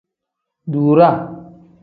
Duuraa.